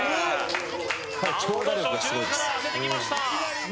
何と初球から当ててきました